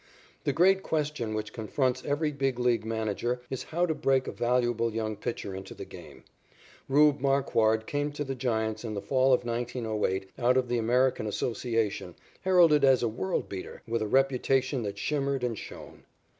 The great question which confronts every Big League manager is how to break a valuable young pitcher into the game. "Rube" Marquard came to the Giants in the fall of 1908 out of the American Association heralded as a world beater, with a reputation that shimmered and shone.